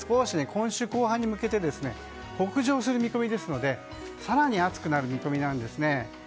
今週の後半に向けて北上する見込みですので更に暑くなる見込みなんですね。